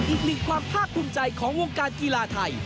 อีกหนึ่งความภาคภูมิใจของวงการกีฬาไทย